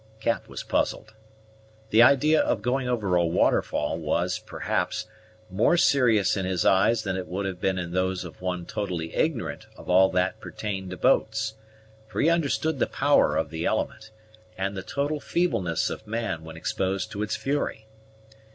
Cap was puzzled. The idea of going over a waterfall was, perhaps, more serious in his eyes than it would have been in those of one totally ignorant of all that pertained to boats; for he understood the power of the element, and the total feebleness of man when exposed to its fury.